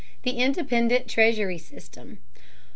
The Independent Treasury System.